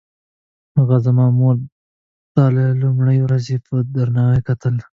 هغه زما مور ته له لومړۍ ورځې په درناوي کتل.